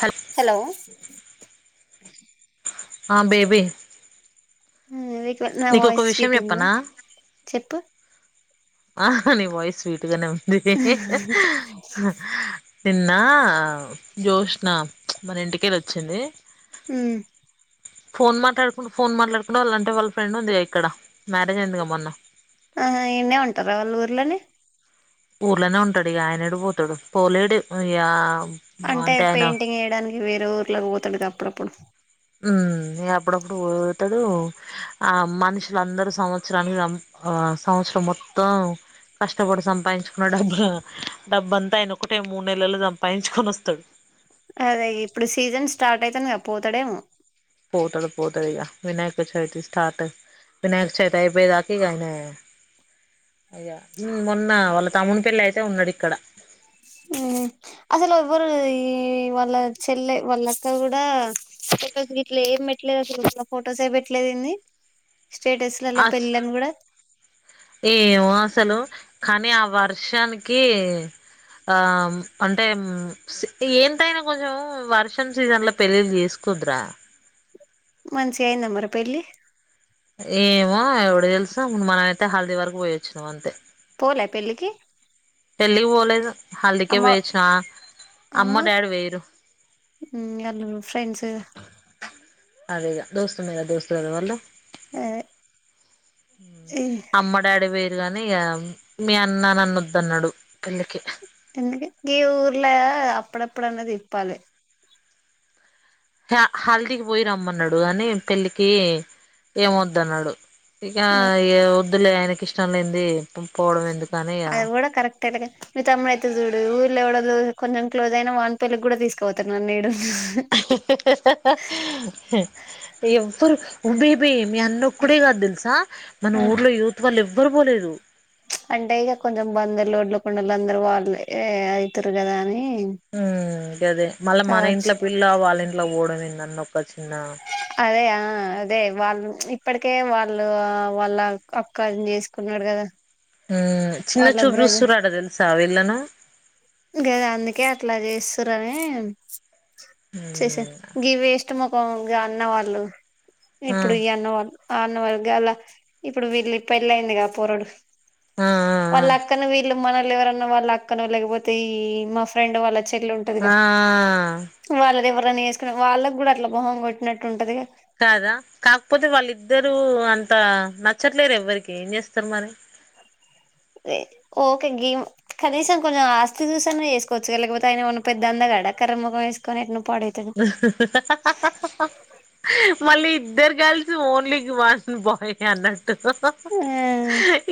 హ హలో హా బేబీ ఉ మీకు నా నీకు ఒక వాయిస్ విషయం స్వీట్ ఉందా చెప్పనా చెప్పు ఆహా నీ వాయిస్ స్వీట్ గానే ఉంది అహహా నిన్న జోష్నా ప్చ్ మన ఇంటికి కెల్లి వచ్చింది ఉ ఫోన్ మాట్లాడుకుంటూ ఫోన్ మాట్లాడుకుండ వాళ్ళంట వాళ్ళ ఫ్రెండ్ ఉందిగా ఇక్కడ మ్యారేజ్ అయింది కథ మొన్న ఆ ఇన్నే ఉంటారా వాళ్ళు ఊర్లోనే ఊర్లోనే ఉంటాడు ఇగ ఆయన యాడ పోతాడు పోలేడు ఇయ్య అంటే పెయింటింగ్ వెయ్యడానికి వేరే ఊర్లకి పోతాడు గా అప్పుడు అప్పుడు ఉ అప్పుడప్పుడు పోతాడు ఆ మనుషులు అందరూ సంవత్సరానికి సం ఆ సంవత్సరం మొత్తం కష్టపడి సంపాదించుకున్న డబ్బు డబ్బు అంతా ఆయన ఒకటే మూడు నెలలో సంపాదించుకొని వస్తాడు అదే ఇప్పుడు సీజన్ స్టార్ట్ అయితుంది కదా పోతాడేమో పోతడు పోతడు ఇగ వినాయక చవితి స్టార్ట్ వినాయక చవితి అయిపోయి దాకా ఇగ ఆయనే అయ్యా ఉ మొన్న వాళ్ళ తమ్ముడి పెళ్లి అయితే ఉన్నాడు ఇక్కడ ఉహు అసలు ఎవ్వరు ఈ వాళ్ళ చెల్లె వాళ్ళ అక్క కూడా ఫొటోస్ గీట్లే ఏం పెట్టలేదు అసలు [unintelligible] ఫొటోస్ ఏ పెట్ట లేదు ఏంది స్టేటస్ వాళ్ళ అస్ పెళ్ళాని కూడా ఏమో అసలు కానీ ఆ వర్షానికి అమ్మ్ అంటే ఉహ్మ్ ఏంటాయినా కొంచెం వర్షం సీజన్లో పెళ్లిళ్లు చేసుకోవద్దు రా మంచిగయ్యిందా మరి పెళ్లి ఏమో ఎవడు తెలుసా మనమైతే హల్దీ వరకూ పోయ్యొచ్చినము అంతే పోలే పెళ్ళికి పెళ్ళి పోలేదు హల్దీ కే అమ్మ పొయ్యొచ్చినా అమ్మ డాడీ పొయ్యోర్రు ఊ అందులో ఫ్రెండ్స్ అదేగా దోస్తు మేరా దోస్తు గద వాళ్ళు అదే అమ్మ డాడీ పొయ్యిర్రు గానీ ఇగ మీ అన్న నన్ను వద్దన్నాడు పెళ్లికి ఎందుగే గీ ఊర్లో అప్పుడప్పుడన్నా దిప్పాలి హా హల్దీకి పోయి రమ్మన్నాడు గానీ పెళ్ళికి ఏం వొద్దు అన్నాడు ఇగ ఏ వద్దులే ఆయనకి ఇష్టం లేనిది పుం పోవడం ఎందుకని ఇగ తెలగే మీ తమ్ముడు అయితే జూడు ఊర్లో ఎవడోదు కొంచెం క్లోజ్ అయినా వాని పెళ్ళికి కూడా తీసుకుపోతాడు నన్ను ఈడు ఎవ్వరూ ఊ బేబి మీ అన్న ఒక్కడే గాదు తెల్సా మన ఊరిలో యూత్ వాళ్ళు ఎవ్వరూ పోలేదు అంటే ఇగ కొంచెం బందర్ లోడ్లో కొండలు అందరూ వాళ్ళు ఏ అయితరు గదా అని ఉమ్ గదే మళ్ళా మన కావచ్చు ఇంట్లో పిల్ల వాళ్ళ ఇంట్లోకి పోవడం ఏంది అన్న ఒక చిన్న అదే ఆ అదే వాళ్ళు ఇప్పటికే వాళ్ళు ఆ వాళ్ళ అక్కని చేసుకున్నాడు కదా ఊ చిన్న వాళ్ళ చూపు చూస్తుర్రట తెలుసా వీళ్ళను గదే అందుకే అట్లా చేస్తుర్రని చేసే గీ వేస్ట్ మొఖం గా అన్నవాళ్ళు ఆ ఇప్పుడు ఈ అన్నవాళ్ళు ఆన్న వర్గాల ఇప్పుడు వీళ్ళు పెళ్లి అయ్యింది గా పొరడు ఆ ఆ వాళ్ళ అక్కని వీళ్ళు మనోళ్ళు ఎవరన్నా వాళ్ళ అక్కనం లేకపోతే ఈ మా ఫ్రెండ్ వాళ్ళ చెల్లి ఉం ఆ వాళ్ళది ఎవ్వరనా ఏసుకుని వాళ్ళకి కూడా అట్లా మొహం కొట్టినట్టు ఉంటది గా కదా కాకపోతే వాళ్ళిద్దరూ అంత నచ్చట్లేరు ఎవ్వరికీ ఏం చేస్తరు మరి ఓకే గివ్ కనీసం కొంచెం ఆస్తి చూసి అన్నా ఏసుకోవచ్చు గా లేకపోతే ఆయనేమన్నా పెద్ద అందగాడా కర్రి మొఖం ఏసుకొని నువ్వు పాడైతవు మళ్ళీ ఇద్దరు గర్ల్స్ ఓన్లీకి వన్ బాయ్ అన్న ట్టు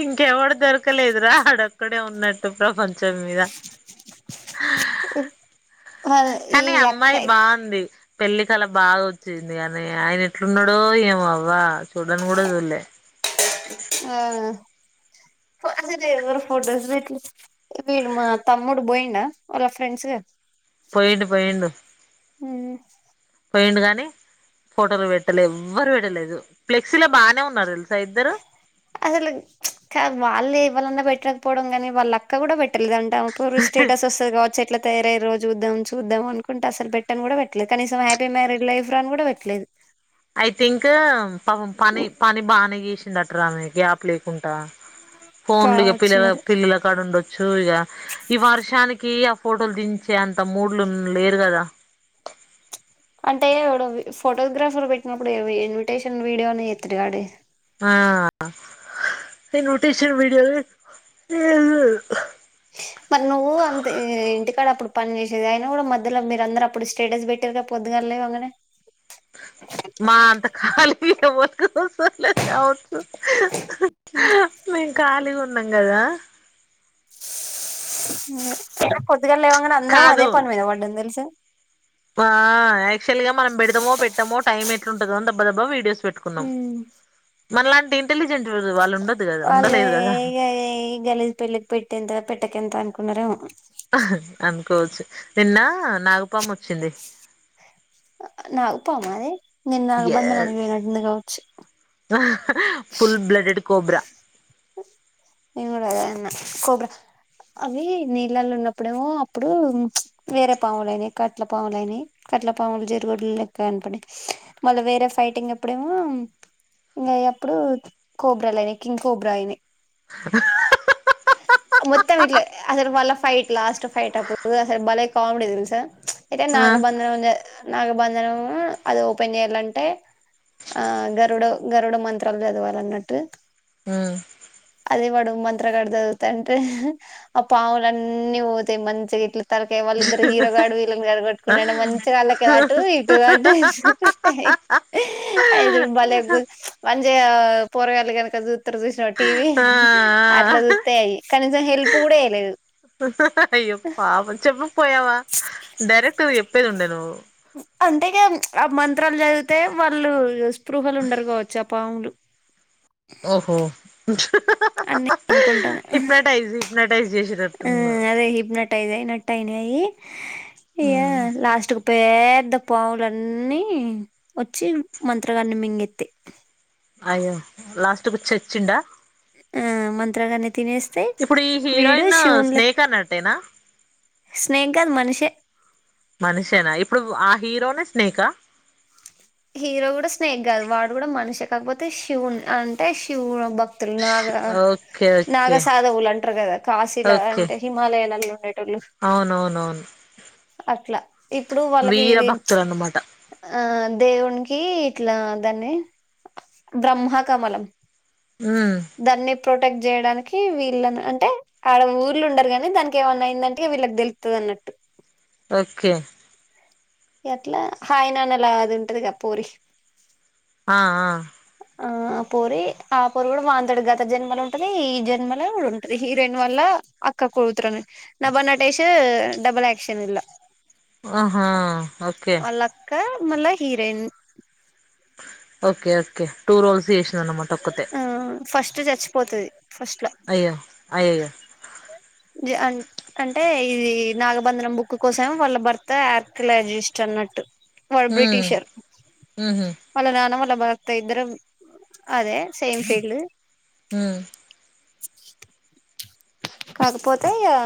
ఇంకెవడు దొరకలేదు రా ఆడోక్క డే ఉన్నట్టు ప్రపంచం మీద ఇ కానీ అమ్మాయి బావుంది పెళ్ళో కళ బాగా వచ్చింది గానీ ఆయన ఎట్లున్నడో ఏమో అవ్వా చూడను కూడా చూడలే ఆ పాదిరే ఎవ్వరూ ఫోటోస్ పెట్లే వీడు మా తమ్ముడు బోయిండా వాళ్ళ ఫ్రెండ్స్ గా పొయ్యిండు పొయ్యిండు పొయ్యిండు గానీ ఫోటోలు పెట్టలే ఎవ్వరూ పెట్టలేదు ఫ్లెక్సీలో బానే ఉన్నారు తెలుసా ఇద్దరూ అసలు కా వాళ్ళు ఎవలన్నా పెట్టకపోవడం కానీ వాళ్ళ అక్క కూడా పెట్టలేదంటాం పురి స్టేటసొస్ తది కావచ్చు ఎట్ల తయారయ్యిర్రో చూద్దాం చూద్దాం అనుకంటే అసలు పెట్టను కూడా పెట్టలే కనీసం హ్యాపీ మ్యారీడ్ లైఫ్ రా అని కూడా [inaudible] ట్లేదు ఐతే ఇంక పాపం పని పని బానే చేసింది అంటరా ఆమె గ్యాప్ లేకుంటా ఫోన్లుగా కావచ్చు పిలవ మరి పిల్లుల కాడ ఉండొ చూ ఇగా ఈ వర్షానికి ఆ ఫోటోలు దించే అంత మూడ్లున్ లేరు కదా అంటే ఎవడో వి ఫోటోగ్రాఫర్ పెట్టినప్పుడు ఇన్విటేషన్ వీడియోని ఎత్తడుగాడే ఆ ఇన్విటిషన్ విడియో లేదు ఏం లేదు మరి నువ్వు అంత ఇ ఇంటికాడ అప్పుడు పని చేసేది అయిన కూడా మధ్యలో మీరందరూ అప్పుడు స్టేటస్ పెట్ ట్టిర్రు గా పొద్దుగాల లేవాంగనే మా అంత కాలీగ ఎవ్వర్ గుసోలేదు గావచ్చు మేం ఖాళీగున్నం గదా అదె పొద్దుగాల లేవంగనే అందరం అదే కాదు పని మీద పడ్డం తెలుసా ఆ ఆయాక్చువల్గా మనం పెడదమో పెట్టామో టైం ఎట్లుంటదో దబ్బ దబ్బ వీడియోస్ పెట్టుకు మనలాంటి ఇంటెలిజెంట్ వాళ్ళు ఉందొడ్డు గదా ఉండలేదు కదా ఏ గలిజ్ పెళ్ళకి పెట్టి ఎంత పెట్టక ఎంత అనుకున్నరెమో అనుకోవచ్చు నిన్న నాగపాము వచ్చింది అ నాగు పామా అదీ నిన్న న బంధనానికి ఎస్ బోయినట్టుంది గావచ్చు ఫుల్ బ్లడెడ్ కోబ్రా నెంగుడ అదే అన్న కోబ్రా అవి నీళ్ళళ్ళున్నప్పుడేమో అప్పుడు వేరే పాములుయినయి కట్ల పాములయినయి కట్ల పాములు జెర్ గొడ్లు లెక్క కనపడ్డయి మళ్ళ వేరే ఫైటింగ్ అప్పుడేమో ఇంగయ ప్పుడు కోబ్రాలు అయినయి కింగ్ కోబ్రా అయినయి త తప్పు మొత్తం ఇట్ల అసలు వాళ్ళ ఫైట్ లాస్ట్ ఫైట్ అప్పుడు అసలు బలే కామెడీ దెల్స అయితే ఆ నాగబంధనం జె నాగబంధనం అది ఓపెన్ చేయాలంటే ఆ గరుడ గరుడ మంత్రాలు చదవాలన్నట్టు ఉమ్ అదే వాడు మన్ త్రగాడు చదువుతాంటె ఆ పాములన్ని పోతయి మంచిగ ఇట్ల తలకాయ్ వాళ్లిద్దరు హీరో గాడు వాళ్ళన్ గుడ ఆడ కొట్టుకుంటాంటే మంచిగళ్ళకే అటు ఇటు అటు ఐదుగురు బాలేగు మంజిగా పొరగాళ్ళు గనక జూత్తరు చూసినవ టీ వి టీ వీ అట్ల ఆ చూత్తఅయి కనీసం హెల్ప్ కూడ చేయలేదు అయ్యో పాపం చెప్పకపోయావా డైరెక్ట్ చెప్పేదుండె నువ్వు అంతేగా ఆ మంత్రాలు చదివితే వాళ్ళు స్పృహల ఉండరు కావచ్చు ఆ పాములు ఓహో అని నేననుకుంటాన హిప్నటైజ్ హిప్నటైజ్ చేశిర్ర్ ఉమ్ అదే హిప్నటైస్ అయినట్టయినయినయ్ ఇగ ఉమ్, లాస్ట్ క్ పేద్ద పాములున్నీ వచ్చి మంత్రగాన్ని మింగెత్తెయ్ అయ్యో లాస్ట్ కు చచ్చిండా ఆ మంత్రగాన్ని తినేస్తయ్ ఇప్పుడు ఈ వీడు హీరోయిన్ శివున్లెక్ స్నేక్ అన్నట్టేనా స్నేక్ గాదు మనిషే మనిషేనా ఇప్పుడు ఆ హీరోన్ స్నేక హీరో కూడ స్నేగ్గదు వాడు కూడ మనిషె కాకపోతే శివున్ అంటే శివు భక్ తుల్ నాగ ఓకే ఓకే నాగసధవులంటరు కదా కాశీల ఓకే అంటే హిమాలయాల్ల ఉండేటోళ్ళు అవునవునవును అట్ల ఇప్పుడు వాళ్ళకి వీర ఇది భక్తులు అన్నమాట ఆ దేవునికి ఇట్లా దాన్ని బ్రహ్మ కమలం ఉ దాన్ని ప్రొటెక్ట్ చేయడానికి వీళ్ళను అంటే ఆడ ఊర్ల ఉండరు కానీ దానికి ఏమన్నా అయిందంటే వీళ్ళకి తెలుతది అన్నట్టు. ఓకే ఎట్లా హాయ్ నాన్నలా అది ఉంటదిగా పోరి ఆ ఆ ఆ ఆ పోరి ఆ పోరి కూడా వానితోటి గత జన్మలు ఉంటది, ఈ జన్మల కూడా ఉంటది హీరోయిన్ వాళ్ళ అక్క కూతురని నబా నటేేశ్ డబల్ యాక్షన్ ఇల్లా. ఆహా ఓకే లాక్క, మళ్ళ heroine okay okay two roles చేశిందన్నమాట ఒక్కతే. ఆ ఫస్ట్ చచ్చిపోతది ఫస్ట్లా అయ్యో అయ్యయ్యో జ అం అంటే ఇది నాగబంధనం బుక్ కోసం వాళ్ళ భర్త ఆర్కియాలాజిస్ట్ అన్నట్టు. వాడు ఉమ్, బ్రిటిషర్. ఉహు వాళ్ళ నాన్న, వాళ్ళ భర్త ఇద్దరు అదే సేమ్ ఫీల్డ్. హ్ కాకపోతే ఇయా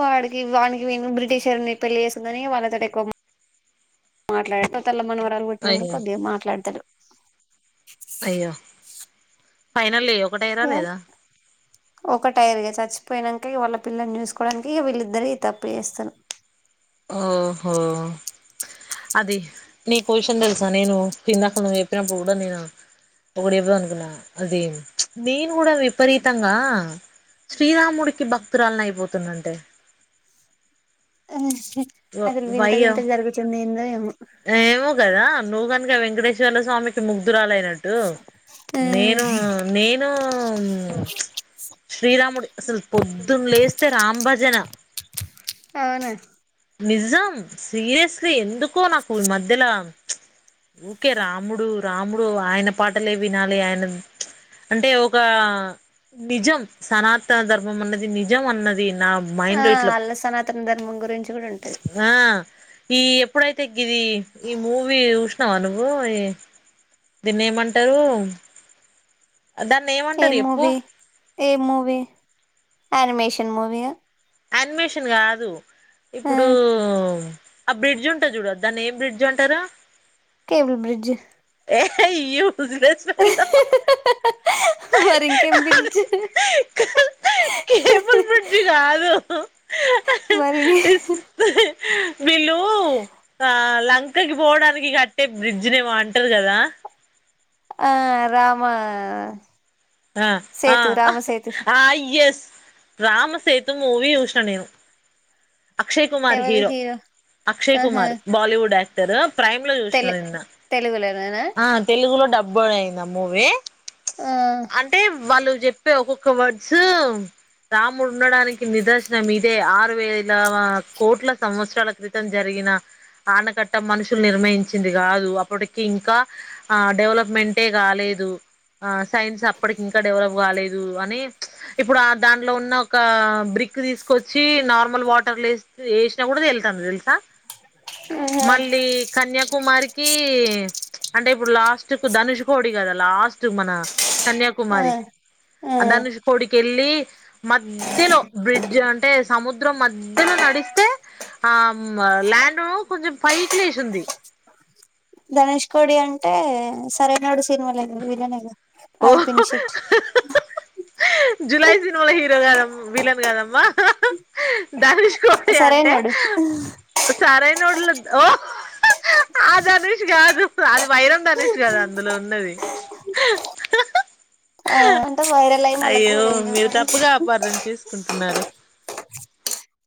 వాడికి వానికి వీన్ని బ్రిటిషర్ని పెళ్ళి చేసుకుందని వాళ్ళతోటి ఎక్కువ మా మాట్లాడు తెల్ల మనవరాలు అయ్ పుట్టినంకా కొద్దిగా మాట్లాడతడు. అయ్యో ఫైనల్లి ఒకటైర్రా ఇగ లేదా? ఒక టైర్రిగా చచ్చిపోయినంక ఇగ వాళ్ళ పిల్లని చూసుకోడానికి వీళ్ళిద్దరి తప్పు చేస్తరు. ఓహో అది నీకో విషయం తెలుసా నేను ఇందాక నువ్వు చెప్పినప్పుడు కూడా నేను పొగిడిర్రు అనుకున్నా, అది నేను కూడా విపరీతంగా శ్రీరాముడికి భక్తురాల్ని అయిపోతున్నాంటే. అసలు వింత వయ్యో వింత జరుగుతుంది ఎందో ఏమో. ఏమో కదా నువ్వు కనుక వెంకటేశ్వర్ల స్వామికి ముగ్ధురాలయిన టు నేను నేను శ్రీరాముడి అసలు పొద్దున్లేస్తే రాం భజనా. అవునా నిజం సీరియస్లీ ఎందుకో నాకు ఈ మధ్యలా. ఊకే రాముడు రాముడు ఆయన పాటలే వినాలి, ఆయన అంటే ఒక నిజం సనాతన ధర్మం అన్నది నిజం అన్నది నా మైండ్ ఆ లో ఇట్లా అల్ల సనాతన ధర్మం గురించి కూడా ఉంటది ఆ ఈ ఎప్పుడైతే గిది ఈ మూవీ చూశినవా నువ్వు ఈ దీన్ని ఏమంటరు దాన్నేం ఏ మూవీ ఏ మూవీ అనిమేషన్ మూవీయా. యానిమేషన్ కాదు, ఆ ఇప్పుడు ఆ బ్రిడ్జ్ ఉంటది చూడు దాన్ని ఏం బ్రిడ్జ్ అంటరు. Cable bridge. ఏ యూస్ లెస్ ఫెళో. మరి ఇంకేం పిజచ్చు కేబుల్ బ్రిడ్జ్ కాదు మరీ వీళ్ళు ఆ లంక్ పోవడానికి కట్టే బ్రిడ్జ్ ని ఏమో అంటారు కదా ఆ రామా ఆ ఆ ఆ ఎస్ రామసేతు మూవీ చూసినా నేను అక్షయ్ కుమార్ హీరో అక్షయ్ ఆహా కుమార్ బాలివుడ్ య టర్ ప్రైమ్ లో చూసిన తెలు నిన్న తెలుగులోనేనా ఆ తెలుగులో డబ్బు అయిందా మూవీ ఆ అంటే వాళ్ళు చెప్పే ఒక్కొక్క వర్డ్స్ రాముడు ఉండడానికి నిదర్శనం ఇదే ఆరు వేల వా కోట్ల సంవత్సరాల క్రి తం జరిగిన ఆనకట్ట మనుషులు నిర్మించింది కాదు అప్పటికి ఇంకా ఆ డెవలప్మెంటే కాలేదు ఆ సైన్స్ అప్ ఇప్పటికి ఇంకా డెవలప్ కాలేదు అని ఇప్పుడు ఆ దాంట్లో ఉన్న ఒక బ్రిక్ తీసుకొచ్చి నార్మల్ వాటర్లో వేసి వేసినా కూడా తేల్తాంది తెలుసా మళ్ళీ కన్యాకుమారికి అంటే ఇప్పుడు లాస్ట్ ధనుష్ కోడి కదా లాస్ట్ మన ఆ కన్యాకుమారి ఆ అ ధనుష్ కోడి కెళ్ళి మధ్యలో బ్రిడ్జ్ అంటే సము ద్ర మధ్యలో నడిస్తే ఆమ్మ ల్యాండ్ కొంచెం పైక్ లేసుంది ధనుష్ కోడి అంటే సరైనోడు సినిమాలో విలనే కదా ఓ అది పిన్షెట్ జులై సినిమాలో హీరో గాదు విలన్ కదమ్మా ధనుష్ కోడి అంటే సరైనోడు సరైనోడులో ఓ ఆ దనుష్ కాదు అది వైరందని ధనుష్ కాదు అందులో ఉన్నది ఆ అంటే వైరల్ అయి మళ్ళ అయ్యో మీరు తప్పుగా కోడైండు అపార్థం చేసుకుంటున్నారు